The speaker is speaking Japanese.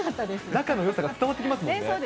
仲のよさが伝わってきますもんね。